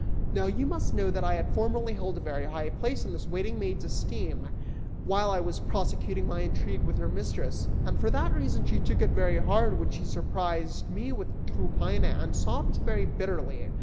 Now you must know that I had formerly held a very high place in this waiting maid's esteem, while I was prosecuting my intrigue with her mistress, and for that reason she took it very hard when she surprised me with Tryphaena, and sobbed very bitterly.